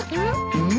うん？